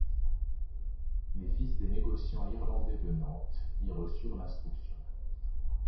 Les fils des négociants irlandais de Nantes y reçurent l'instruction.